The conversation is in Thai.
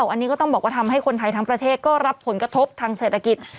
อันนี้ก็ต้องบอกว่าทำให้คนไทยทั้งประเทศก็รับผลกระทบทางเศรษฐกิจ